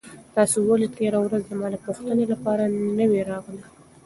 تاسو ولې تېره ورځ زما د پوښتنې لپاره نه وئ راغلي؟